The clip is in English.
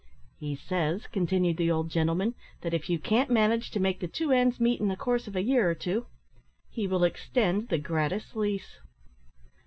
"He says," continued the old gentleman, "that if you can't manage to make the two ends meet in the course of a year or two, he will extend the gratis lease."